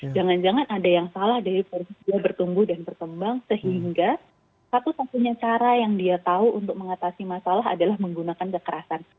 jangan jangan ada yang salah dari dia bertumbuh dan berkembang sehingga satu satunya cara yang dia tahu untuk mengatasi masalah adalah menggunakan kekerasan